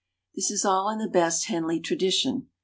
This is all in the best Henley tradition.